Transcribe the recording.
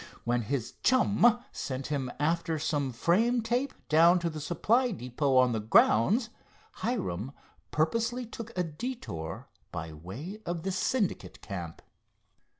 When his chum sent him after some frame tape, down to the supply depot on the grounds, Hiram purposely took a detour by way of the Syndicate camp.